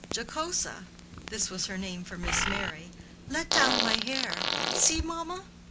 Jocosa (this was her name for Miss Merry), let down my hair. See, mamma?"